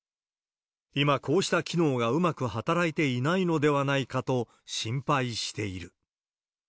今こうした機能がうまく働いていないのでないかと、心配している。